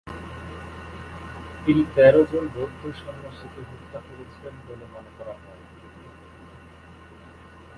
তিনি তেরোজন বৌদ্ধ সন্ন্যাসীকে হত্যা করেছিলেন বলে মনে করা হয়।